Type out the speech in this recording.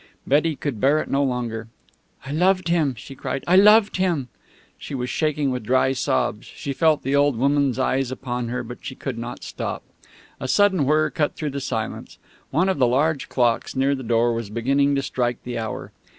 Betty could bear it no longer. "I loved him!" she cried. "I loved him!" She was shaking with dry sobs. She felt the old woman's eyes upon her, but she could not stop. A sudden whirr cut through the silence. One of the large clocks near the door was beginning to strike the hour.